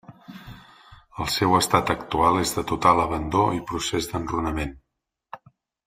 El seu estat actual és de total abandó i procés d’enrunament.